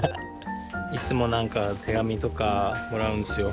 いつも何か手紙とかもらうんですよ。